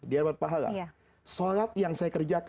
di arbat pahala